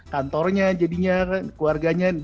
kantornya jadinya keluarganya